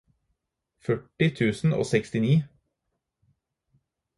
førti tusen og sekstini